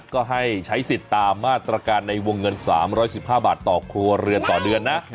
ก็ให้ใช้สิทธิ์ตามมาตรการในวงเงิน๓๑๕บาทต่อครัวเรือนต่อเดือนนะ